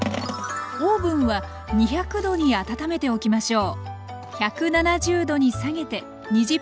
オーブンは２００℃に温めておきましょう。